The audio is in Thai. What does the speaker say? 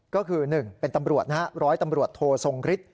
ก็คือ๑เป็นตำรวจนะฮะร้อยตำรวจโททรงฤทธิ